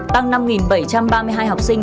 tăng năm bảy trăm ba mươi hai học sinh